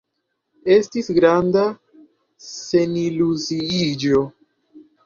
Estis granda seniluziiĝo.